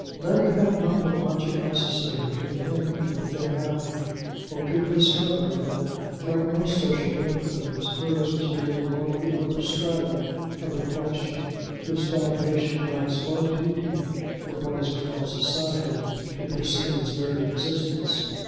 Letty had not the logic necessary to the thinking of the thing out; or to the discovery that, like most social difficulties, hers was merely one of the upper strata of a question whose foundation lies far too deep for what is called Society to perceive its very existence.